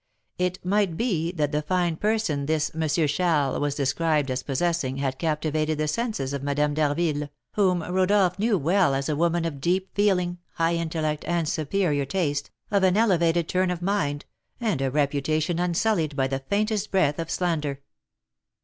It might be that the fine person this M. Charles was described as possessing had captivated the senses of Madame d'Harville, whom Rodolph knew well as a woman of deep feeling, high intellect, and superior taste, of an elevated turn of mind, and a reputation unsullied by the faintest breath of slander.